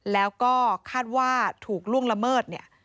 แล้วก็คาดว่าถูกล่วงละเมิดเนี่ย